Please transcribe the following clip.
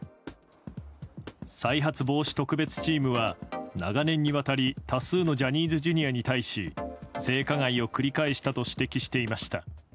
再発防止特別チームは長年にわたり多数のジャニーズＪｒ．に対し性加害を繰り返したと指摘していました。